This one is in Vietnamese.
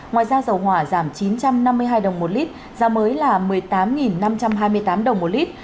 ngoài ra dầu hỏa giảm chín trăm năm mươi hai đồng một lít giá mới là một mươi tám năm trăm hai mươi tám đồng một lít